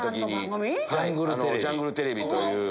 『ジャングルＴＶ』という。